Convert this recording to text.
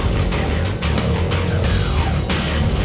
gue gak terima ini